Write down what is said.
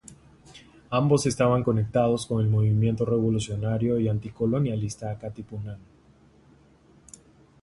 Ambos estaban conectados con el movimiento revolucionario y anticolonialista Katipunan.